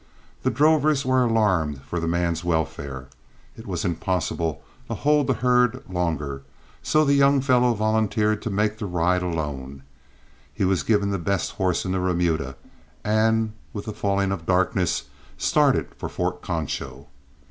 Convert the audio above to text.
The drovers were alarmed for the man's welfare; it was impossible to hold the herd longer, so the young fellow volunteered to make the ride alone. He was given the best horse in the remuda, and with the falling of darkness started for Fort Concho.